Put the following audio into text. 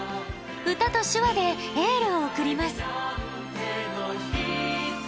歌と手話でエールを送ります。